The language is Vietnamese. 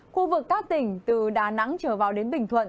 khu vực các tỉnh từ đà nẵng trở vào đến bình thuận